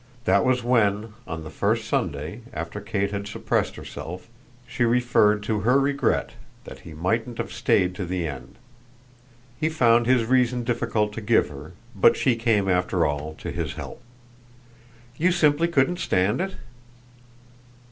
That was when, on the first Sunday, after Kate had suppressed herself, she referred to her regret that he mightn't have stayed to the end. He found his reason difficult to give her, but she came after all to his help. "You simply couldn't stand it?"